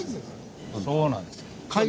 そうなんですよ。